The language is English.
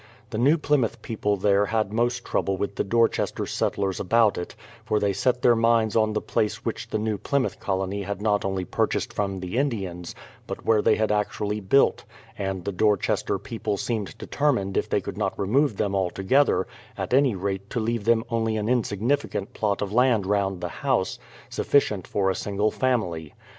The New Plymouth people there had most trouble with the Dorchester settlers about it; for they set their minds on the place which the New Ply mouth colony had not only purchased from the Indians, but where they had actually built, and the Dorchester people seemed determined if they could not remove them altogether, at any rate to leave ihem only an insignificant 272 BRADFORD'S HISTORY OF plot of land round the house, sufficient for a single family.